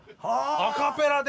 アカペラで。